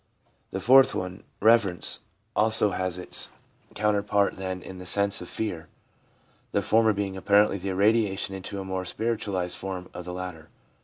The fourth one, reverence, also has its 23 334 THE PSYCHOLOGY OF RELIGION counterpart then in the sense of fear, the former being apparently the irradiation into a more spiritualised form of the latter.